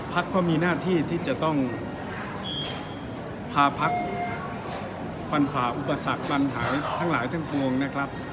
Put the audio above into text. ก็มีหน้าที่ที่จะต้องพาพักฟันฝ่าอุปสรรคปัญหาทั้งหลายทั้งปวงนะครับ